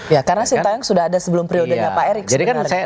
ya karena sintayong sudah ada sebelum periodenya pak erick sebenarnya